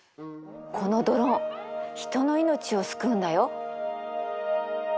このドローン人の命を救うんだよ。